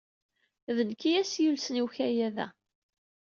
D nekk ay as-yulsen i ukayad-a.